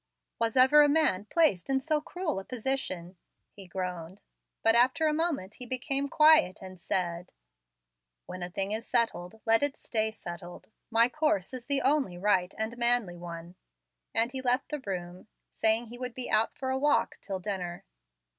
"Was ever a man placed in so cruel a position?" he groaned. But after a moment he became quiet and said, "When a thing is settled, let it stay settled; my course is the only right and manly one"; and he left the room saying he would be out for a walk till dinner.